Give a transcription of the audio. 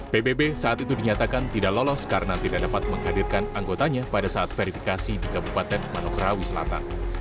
pbb saat itu dinyatakan tidak lolos karena tidak dapat menghadirkan anggotanya pada saat verifikasi di kabupaten manokrawi selatan